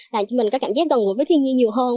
là mình có cảm giác gần gũi với thiên nhiên nhiều hơn